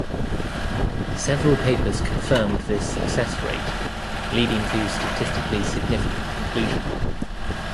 Several papers confirmed this success rate, leading to statistically significant conclusion.